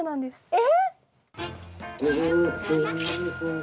え！